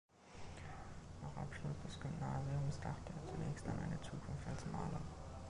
Nach Abschluss des Gymnasiums dachte er zunächst an eine Zukunft als Maler.